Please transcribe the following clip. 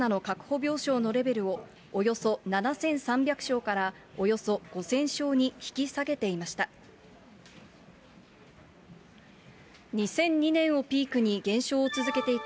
病床のレベルをおよそ７３００床からおよそ５０００床に引き下げていました。